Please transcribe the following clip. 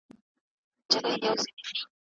دا سبزي ډېر مغذي مواد لري.